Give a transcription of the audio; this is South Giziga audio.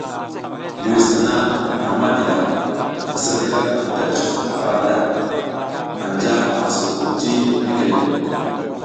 Liwis hana nang madiɗa, misirgad anta cuf ara ta, anja a soko ti mekelem.